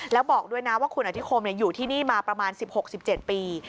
แล้วบอกด้วยนะว่าคุณอธิคมอยู่ที่นี่มาประมาณ๑๖๑๗ปี